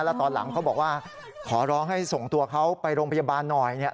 แล้วตอนหลังเขาบอกว่าขอร้องให้ส่งตัวเขาไปโรงพยาบาลหน่อยเนี่ย